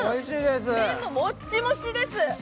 麺ももっちもちです。